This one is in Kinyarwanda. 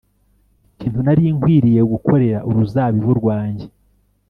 Ikintu nari nkwiriye gukorera uruzabibu rwanjye